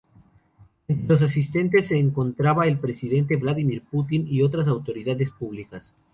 Entre los asistentes se encontraba el presidente Vladímir Putin y otras autoridades públicas.